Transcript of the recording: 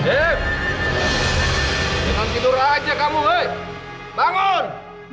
aku masih terus lahir